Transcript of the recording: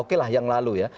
oke lah yang lalu ya